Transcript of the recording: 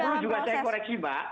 perlu juga saya koreksi mbak